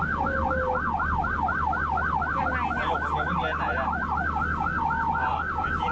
แล้วเหลือมาชะลองเพื่อนเราได้ไหน